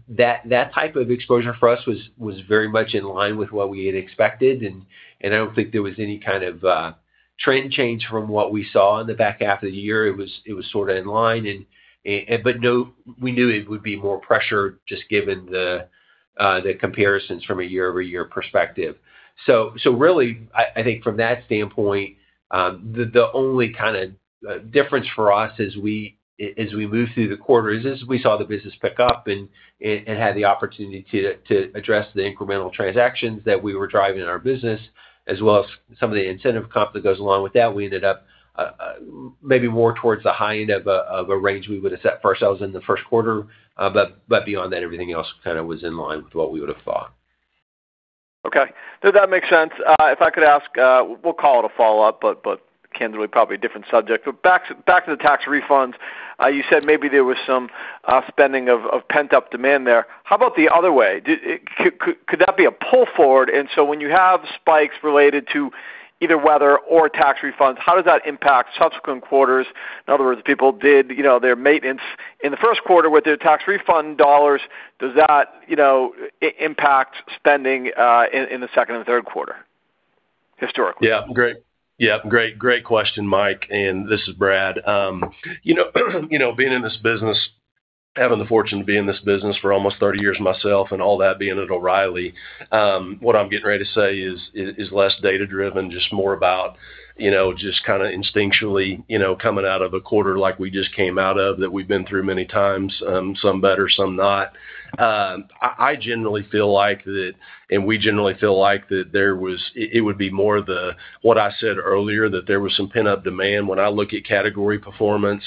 S2: That type of exposure for us was very much in line with what we had expected, and I don't think there was any kind of trend change from what we saw in the back half of the year. It was sort of in line and but no, we knew it would be more pressured just given the comparisons from a year-over-year perspective. So really I think from that standpoint, the only kinda difference for us as we move through the quarter is as we saw the business pick up and had the opportunity to address the incremental transactions that we were driving in our business as well as some of the incentive comp that goes along with that. We ended up maybe more towards the high end of a range we would have set for ourselves in the first quarter. Beyond that, everything else kinda was in line with what we would have thought.
S8: Okay. No, that makes sense. If I could ask, we'll call it a follow-up, but candidly probably a different subject. Back to the tax refunds. You said maybe there was some spending of pent-up demand there. How about the other way? Could that be a pull forward? When you have spikes related to either weather or tax refunds, how does that impact subsequent quarters? In other words, people did, you know, their maintenance in the first quarter with their tax refund dollars. Does that, you know, impact spending in the second and third quarter historically?
S3: Great, great question, Mike. This is Brad. You know, you know, being in this business, having the fortune to be in this business for almost 30 years myself and all that, being at O'Reilly, what I'm getting ready to say is less data-driven, just more about, you know, just kind of instinctually, you know, coming out of a quarter like we just came out of that we've been through many times, some better, some not. I generally feel like that and we generally feel like that it would be more the, what I said earlier, that there was some pent-up demand when I look at category performance.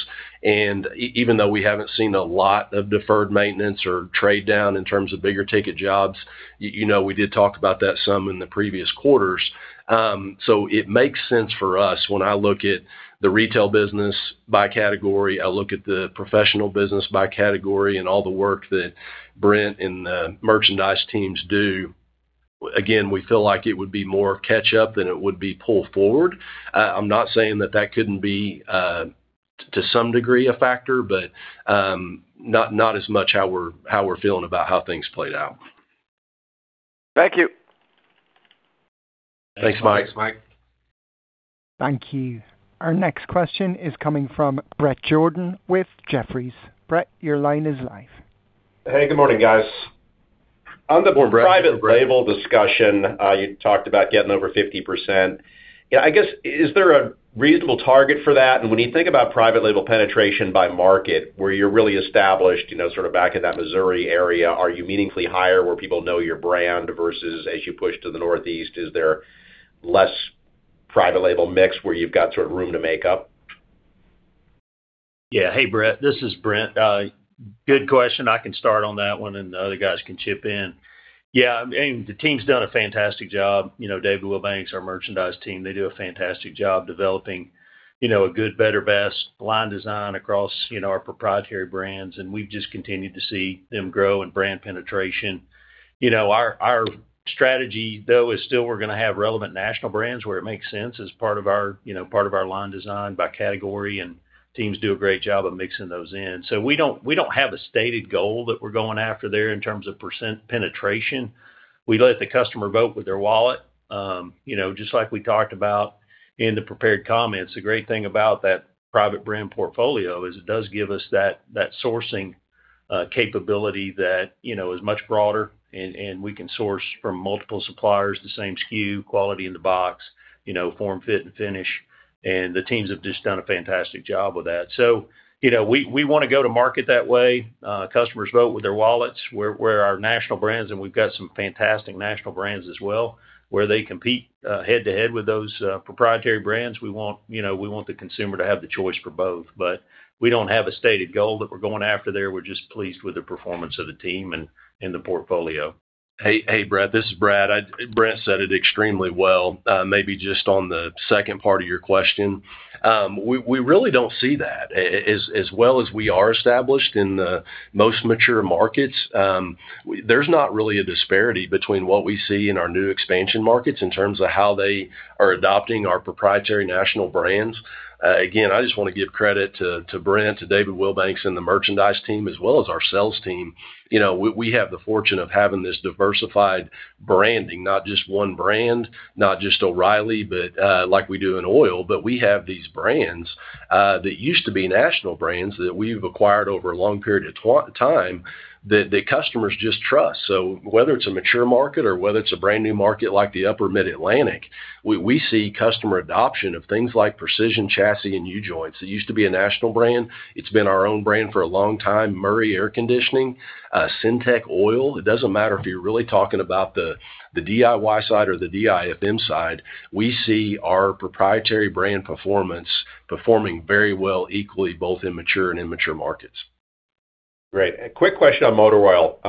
S3: Even though we haven't seen a lot of deferred maintenance or trade down in terms of bigger ticket jobs, you know, we did talk about that some in the previous quarters. It makes sense for us when I look at the retail business by category, I look at the professional business by category, and all the work that Brent and the merchandise teams do. Again, we feel like it would be more catch up than it would be pull forward. I'm not saying that that couldn't be to some degree a factor, but not as much how we're feeling about how things played out.
S8: Thank you.
S2: Thanks, Mike.
S3: Thanks, Mike.
S1: Thank you. Our next question is coming from Bret Jordan with Jefferies. Bret, your line is live.
S9: Hey, good morning, guys.
S4: Good morning, Bret.
S9: On the private label discussion, you talked about getting over 50%. You know, I guess, is there a reasonable target for that? When you think about private label penetration by market, where you're really established, you know, sort of back in that Missouri area, are you meaningfully higher where people know your brand versus as you push to the Northeast, is there less private label mix where you've got sort of room to make up?
S4: Yeah. Hey, Bret. This is Brent. Good question. I can start on that one, and the other guys can chip in. Yeah, I mean, the team's done a fantastic job. You know, David Wilbanks, our merchandise team, they do a fantastic job developing, you know, a good, better, best line design across, you know, our proprietary brands, and we've just continued to see them grow in brand penetration. You know, our strategy, though, is still we're gonna have relevant national brands where it makes sense as part of our, you know, part of our line design by category, and teams do a great job of mixing those in. We don't have a stated goal that we're going after there in terms of percent penetration. We let the customer vote with their wallet. You know, just like we talked about in the prepared comments, the great thing about that private label portfolio is it does give us that sourcing capability that, you know, is much broader, and we can source from multiple suppliers the same SKU, quality in the box, you know, form, fit, and finish. The teams have just done a fantastic job with that. You know, we wanna go to market that way. Customers vote with their wallets where our national brands, and we've got some fantastic national brands as well, where they compete head to head with those proprietary brands. You know, we want the consumer to have the choice for both, we don't have a stated goal that we're going after there. We're just pleased with the performance of the team and the portfolio.
S3: Hey, Bret. This is Brad. Brent said it extremely well. Maybe just on the second part of your question. We really don't see that. As well as we are established in the most mature markets, there's not really a disparity between what we see in our new expansion markets in terms of how they are adopting our proprietary national brands. Again, I just wanna give credit to Brent, to David Wilbanks and the merchandise team, as well as our sales team. You know, we have the fortune of having this diversified branding, not just one brand, not just O'Reilly, but like we do in oil, but we have these brands that used to be national brands that we've acquired over a long period of time that the customers just trust. Whether it's a mature market or whether it's a brand new market like the upper Mid-Atlantic, we see customer adoption of things like Precision Chassis and U-joints. It used to be a national brand. It's been our own brand for a long time. Murray Air Conditioning, SYNTEC Oil. It doesn't matter if you're really talking about the DIY side or the DIFM side, we see our proprietary brand performance performing very well equally both in mature and immature markets.
S9: Great. A quick question on motor oil.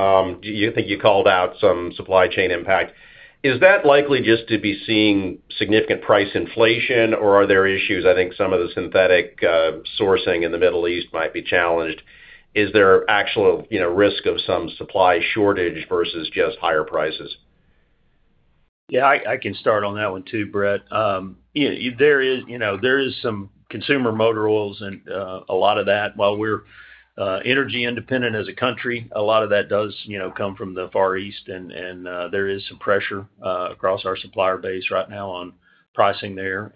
S9: Do you think you called out some supply chain impact? Is that likely just to be seeing significant price inflation or are there issues? I think some of the synthetic sourcing in the Middle East might be challenged. Is there actual, you know, risk of some supply shortage versus just higher prices?
S4: Yeah, I can start on that one too, Bret. There is, you know, there is some consumer motor oils and a lot of that, while we're energy independent as a country, a lot of that does, you know, come from the Far East and there is some pressure across our supplier base right now on pricing there.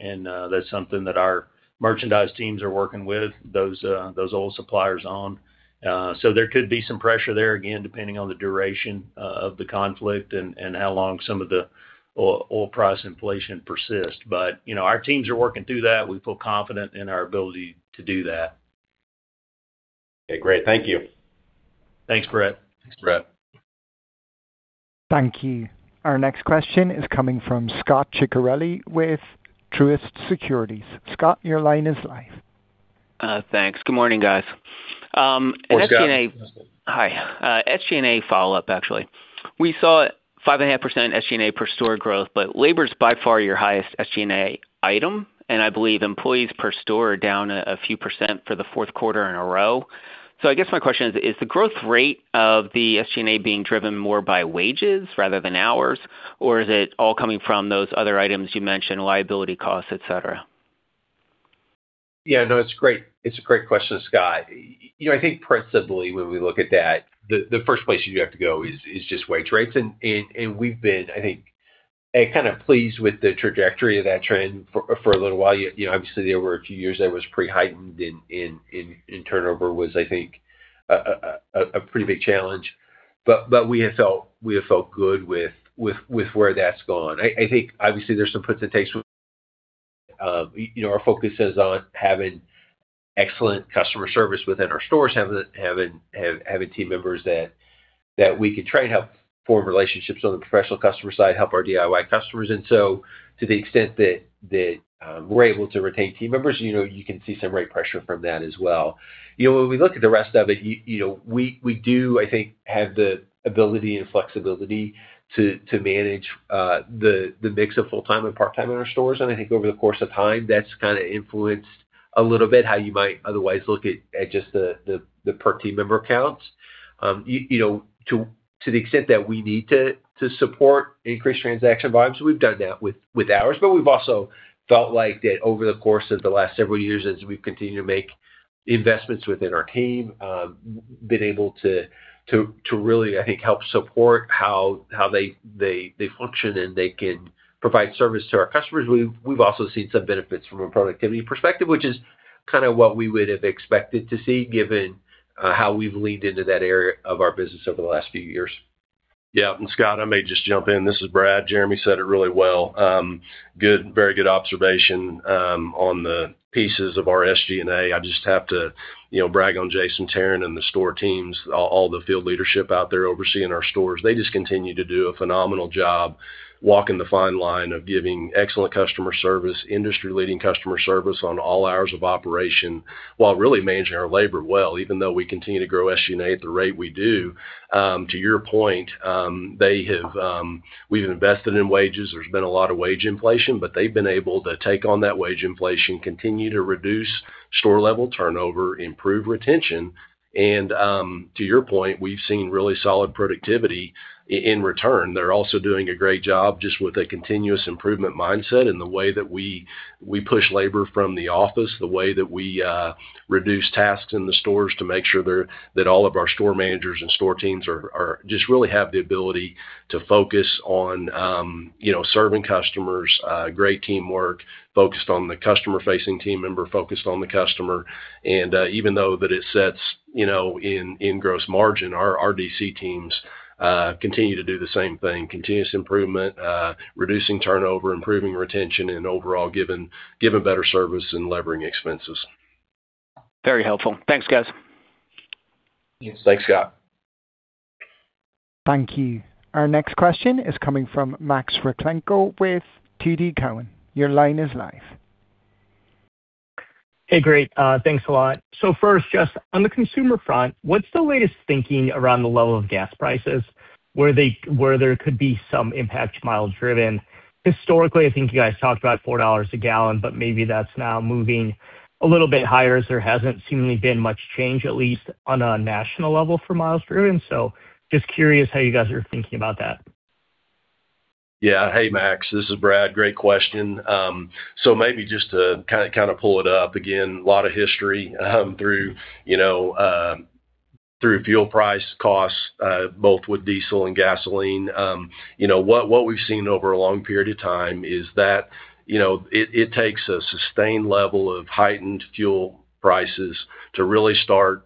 S4: That's something that our merchandise teams are working with those oil suppliers on. There could be some pressure there, again, depending on the duration of the conflict and how long some of the oil price inflation persist. You know, our teams are working through that. We feel confident in our ability to do that.
S9: Okay, great. Thank you.
S3: Thanks, Bret.
S2: Thanks, Bret.
S1: Thank you. Our next question is coming from Scot Ciccarelli with Truist Securities. Scot, your line is live.
S10: Thanks. Good morning, guys.
S3: Good morning, Scot.
S10: Hi. SG&A follow-up, actually. We saw 5.5% SG&A per store growth. Labor's by far your highest SG&A item. I believe employees per store are down a few percent for the 4th quarter in a row. I guess my question is the growth rate of the SG&A being driven more by wages rather than hours, or is it all coming from those other items you mentioned, liability costs, et cetera?
S2: Yeah, no, it's great. It's a great question, Scot. You know, I think principally when we look at that, the first place you have to go is just wage rates. We've been, I think, kind of pleased with the trajectory of that trend for a little while. You know, obviously there were a few years that was pretty heightened in turnover was, I think, a pretty big challenge. We have felt good with where that's gone. I think obviously there's some presentation. You know, our focus is on having excellent customer service within our stores, having team members that we can train, help form relationships on the professional customer side, help our DIY customers. To the extent that, we're able to retain team members, you know, you can see some rate pressure from that as well. You know, when we look at the rest of it, you know, we do, I think, have the ability and flexibility to manage the mix of full-time and part-time in our stores. I think over the course of time, that's kind of influenced a little bit how you might otherwise look at just the per team member counts. You know, to the extent that we need to support increased transaction volumes, we've done that with ours. We've also felt like that over the course of the last several years as we've continued to make investments within our team, been able to really, I think, help support how they function and they can provide service to our customers. We've also seen some benefits from a productivity perspective, which is kind of what we would have expected to see given how we've leaned into that area of our business over the last few years.
S3: Scot, I may just jump in. This is Brad. Jeremy said it really well. Very good observation on the pieces of our SG&A. I just have to, you know, brag on Jason Tarrant and all the store teams, all the field leadership out there overseeing our stores. They just continue to do a phenomenal job walking the fine line of giving excellent customer service, industry-leading customer service on all hours of operation while really managing our labor well, even though we continue to grow SG&A at the rate we do. To your point, we've invested in wages. There's been a lot of wage inflation, they've been able to take on that wage inflation, continue to reduce store-level turnover, improve retention, and to your point, we've seen really solid productivity in return. They're also doing a great job just with a continuous improvement mindset in the way that we push labor from the office, the way that we reduce tasks in the stores to make sure that all of our store managers and store teams are just really have the ability to focus on, you know, serving customers, great teamwork, focused on the customer-facing team member, focused on the customer. Even though that it sets, you know, in gross margin, our RDC teams continue to do the same thing, continuous improvement, reducing turnover, improving retention, and overall giving better service and levering expenses.
S10: Very helpful. Thanks, guys.
S2: Thanks, Scot.
S1: Thank you. Our next question is coming from Max Rakhlenko with TD Cowen. Your line is live.
S11: Hey, great. Thanks a lot. First, just on the consumer front, what's the latest thinking around the level of gas prices, where there could be some impact to miles driven? Historically, I think you guys talked about $4 a gallon, but maybe that's now moving a little bit higher as there hasn't seemingly been much change, at least on a national level, for miles driven. Just curious how you guys are thinking about that.
S3: Yeah. Hey, Max, this is Brad. Great question. Maybe just to kind of pull it up, again, a lot of history, through, you know, through fuel price costs, both with diesel and gasoline. You know, what we've seen over a long period of time is that, you know, it takes a sustained level of heightened fuel prices to really start,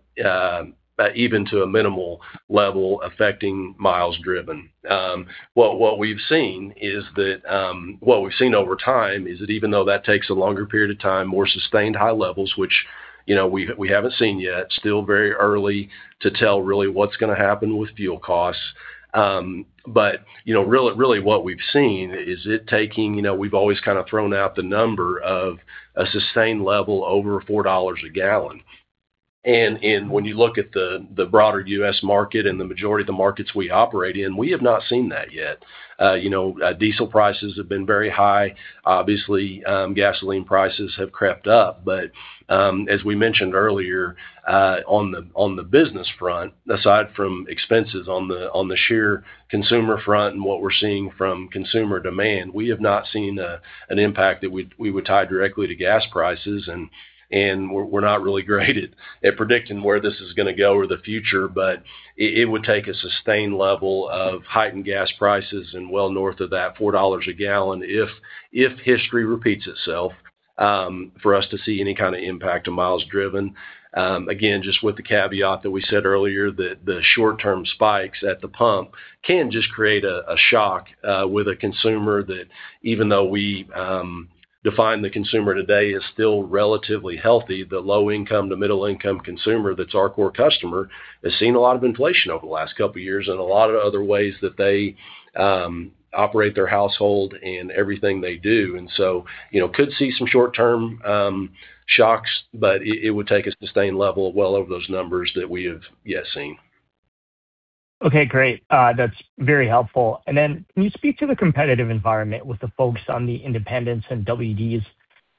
S3: even to a minimal level, affecting miles driven. What we've seen over time is that even though that takes a longer period of time, more sustained high levels, which, you know, we haven't seen yet, still very early to tell really what's gonna happen with fuel costs. But, you know, really what we've seen is it taking, you know, we've always kind of thrown out the number of a sustained level over $4 a gallon. When you look at the broader U.S. market and the majority of the markets we operate in, we have not seen that yet. You know, diesel prices have been very high. Obviously, gasoline prices have crept up. As we mentioned earlier, on the, on the business front, aside from expenses on the, on the sheer consumer front and what we're seeing from consumer demand, we have not seen an impact that we would tie directly to gas prices. We're not really great at predicting where this is going to go or the future, but it would take a sustained level of heightened gas prices and well north of that $4 a gallon if history repeats itself for us to see any kind of impact to miles driven. Again, just with the caveat that we said earlier, the short-term spikes at the pump can just create a shock with a consumer that even though we define the consumer today as still relatively healthy, the low income to middle income consumer that's our core customer has seen a lot of inflation over the last couple years in a lot of other ways that they operate their household and everything they do. You know, could see some short-term shocks, but it would take a sustained level well over those numbers that we have yet seen.
S11: Okay, great. That's very helpful. Can you speak to the competitive environment with the folks on the independents and WDs?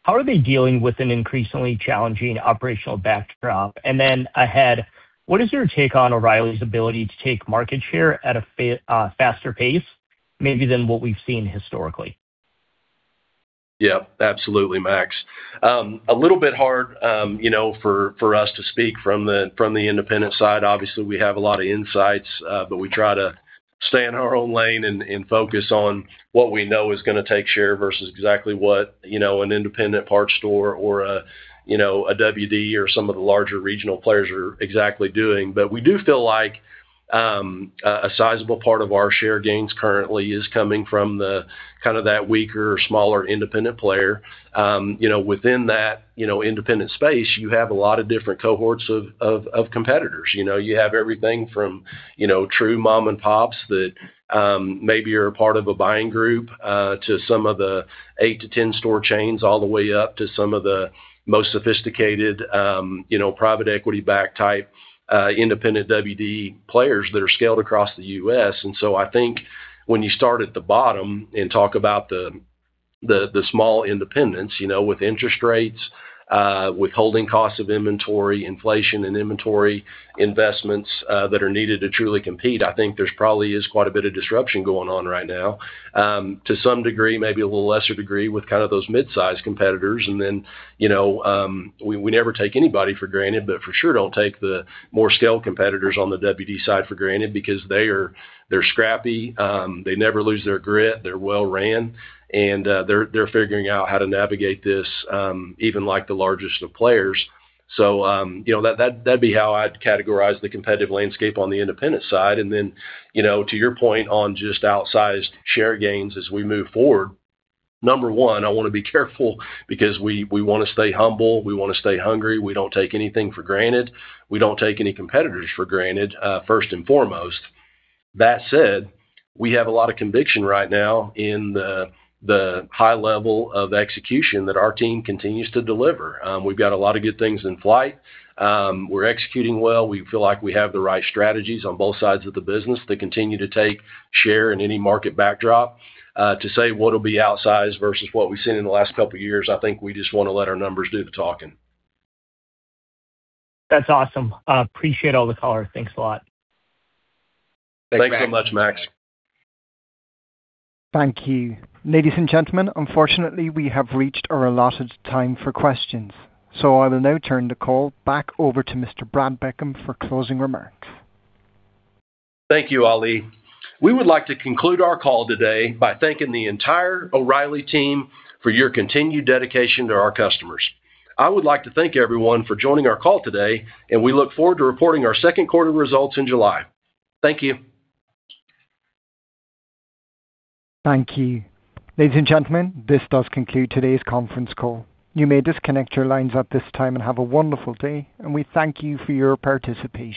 S11: How are they dealing with an increasingly challenging operational backdrop? Ahead, what is your take on O'Reilly's ability to take market share at a faster pace maybe than what we've seen historically?
S3: Yeah, absolutely, Max. A little bit hard, you know, for us to speak from the independent side. Obviously, we have a lot of insights, but we try to stay in our own lane and focus on what we know is gonna take share versus exactly what, you know, an independent parts store or a WD or some of the larger regional players are exactly doing. We do feel like a sizable part of our share gains currently is coming from the kind of that weaker or smaller independent player. You know, within that, you know, independent space, you have a lot of different cohorts of competitors. You know, you have everything from, you know, true mom and pops that maybe are a part of a buying group, to some of the eight to 10 store chains, all the way up to some of the most sophisticated, you know, private equity-backed type independent WD players that are scaled across the U.S. I think when you start at the bottom and talk about the small independents, you know, with interest rates, with holding costs of inventory, inflation and inventory investments that are needed to truly compete, I think there's probably is quite a bit of disruption going on right now. To some degree, maybe a little lesser degree with kind of those mid-size competitors. You know, we never take anybody for granted, but for sure don't take the more scaled competitors on the WD side for granted because they're scrappy. They never lose their grit. They're well ran, and they're figuring out how to navigate this, even like the largest of players. You know, that'd be how I'd categorize the competitive landscape on the independent side. You know, to your point on just outsized share gains as we move forward, number one, I wanna be careful because we wanna stay humble. We wanna stay hungry. We don't take anything for granted. We don't take any competitors for granted, first and foremost. That said, we have a lot of conviction right now in the high level of execution that our team continues to deliver. We've got a lot of good things in flight. We're executing well. We feel like we have the right strategies on both sides of the business that continue to take share in any market backdrop. To say what'll be outsized versus what we've seen in the last couple years, I think we just wanna let our numbers do the talking.
S11: That's awesome. Appreciate all the color. Thanks a lot.
S3: Thanks so much, Max.
S1: Thank you. Ladies and gentlemen, unfortunately we have reached our allotted time for questions. I will now turn the call back over to Mr. Brad Beckham for closing remarks.
S3: Thank you, Ali. We would like to conclude our call today by thanking the entire O'Reilly Team for your continued dedication to our customers. I would like to thank everyone for joining our call today. We look forward to reporting our second quarter results in July. Thank you.
S1: Thank you. Ladies and gentlemen, this does conclude today's conference call. You may disconnect your lines at this time and have a wonderful day, and we thank you for your participation.